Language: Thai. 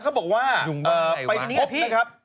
เขาบอกว่าไปพบนะครับ